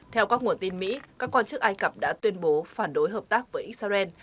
theo các nguồn tin mỹ các quan chức ai cập đã tuyên bố phản đối hợp tác với israel